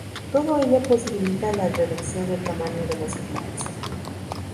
Todo ello posibilita la reducción del tamaño de los equipos.